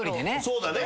そうだね